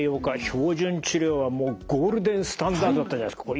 標準治療はもうゴールデンスタンダードだったじゃないですか。